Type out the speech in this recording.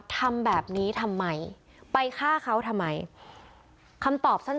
ทำแบบนี้ทำไมไปฆ่าเขาทำไม